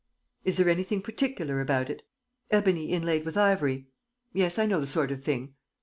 ... Is there anything particular about it? ... Ebony inlaid with ivory. ... Yes, I know the sort of thing.